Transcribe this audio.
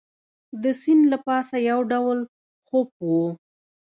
د سیند له پاسه یو ډول خوپ وو.